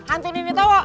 hantu ini tau